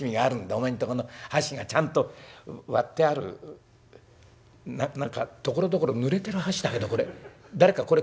お前んとこの箸がちゃんと割ってあるな何かところどころぬれてる箸だけど誰かこれ食ったあとじゃないの？